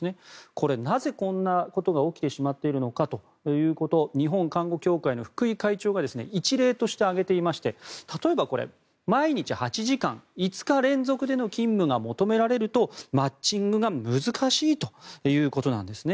これ、なぜこんなことが起きてしまっているのかということ日本看護協会の福井会長が一例として挙げていまして例えば、毎日８時間５日連続での勤務が求められると、マッチングが難しいということなんですね。